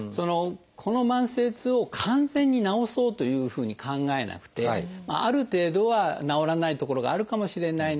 この慢性痛を完全に治そうというふうに考えなくてある程度は治らないところがあるかもしれないなって。